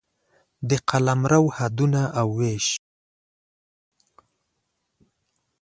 د قلمرو حدونه او وېش